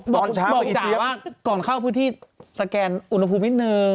บอกจ๋าว่าก่อนเข้าพื้นที่สแกนอุณหภูมินิดนึง